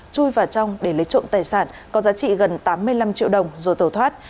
chui và trong để lấy trộm tài sản có giá trị gần tám mươi năm triệu đồng rồi tổ thoát